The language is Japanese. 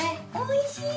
おいしい！